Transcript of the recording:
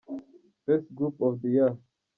Best group of the Year.